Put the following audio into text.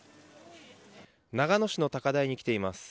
長野市の高台に来ています。